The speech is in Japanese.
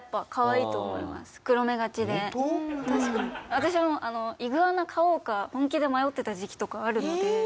私もイグアナ飼おうか本気で迷ってた時期とかあるので。